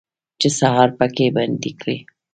چې سهار پکې بندي کړي